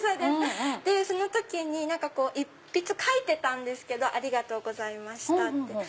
その時に一筆書いてたんですありがとうございました！って。